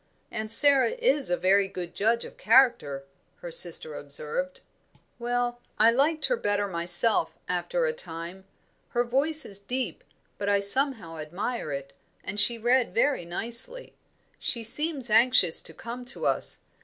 "Aunt Sara is a very good judge of character," her sister observed. "Well, I liked her better myself after a time; her voice is deep, but I somehow admire it, and she read very nicely. She seems anxious to come to us.